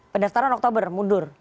pendaftaran oktober mundur